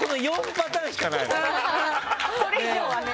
それ以上はね。